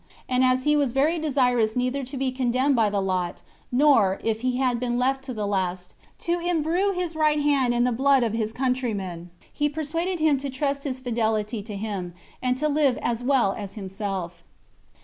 And as he was very desirous neither to be condemned by the lot, nor, if he had been left to the last, to imbrue his right hand in the blood of his countrymen, he persuaded him to trust his fidelity to him, and to live as well as himself.